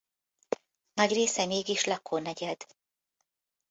Nagy része mégis lakónegyed.